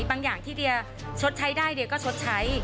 อย่างที่เดียชดใช้ได้เดียก็ชดใช้